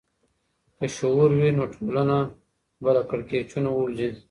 که شعور وي، نو ټولنه به له کړکېچونو ووځي.